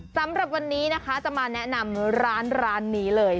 สำหรับวันนี้นะคะจะมาแนะนำร้านนี้เลย